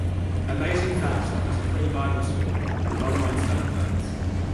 "Amazing Facts" offers a free Bible school with online study guides.